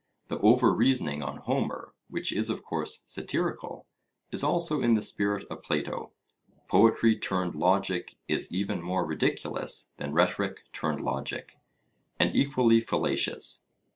The over reasoning on Homer, which is of course satirical, is also in the spirit of Plato. Poetry turned logic is even more ridiculous than 'rhetoric turned logic,' and equally fallacious.